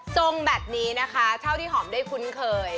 ทรงแบบนี้นะคะเท่าที่หอมได้คุ้นเคย